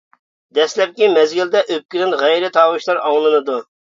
دەسلەپكى مەزگىلدە ئۆپكىدىن غەيرىي تاۋۇشلار ئاڭلىنىدۇ.